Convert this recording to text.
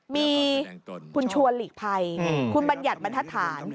มีคุณชัวร์หลีกภัยคุณบัญญัติบันทธาตุฐาน